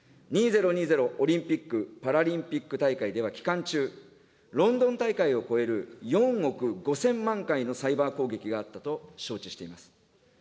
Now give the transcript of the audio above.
オリンピック・パラリンピック大会では期間中、ロンドン大会を超える４億５０００万回のサイバー攻撃があったと承知しています。